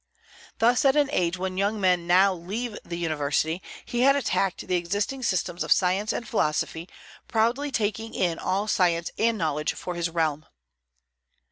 Thus, at an age when young men now leave the university, he had attacked the existing systems of science and philosophy, proudly taking in all science and knowledge for his realm.